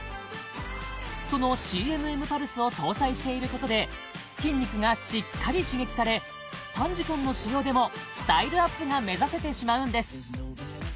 そのＣＭＭパルスを搭載していることで筋肉がしっかり刺激され短時間の使用でもスタイルアップが目指せてしまうんです